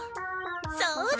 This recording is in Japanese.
そうだ！